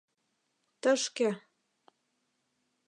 — Тышке...